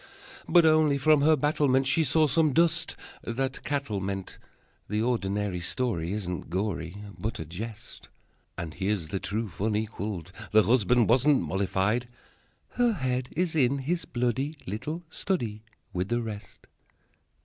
But only from her battlement She saw some dust that cattle meant. The ordinary story Isn't gory, But a jest. But here's the truth unqualified. The husband wasn't mollified Her head is in his bloody Little study With the rest!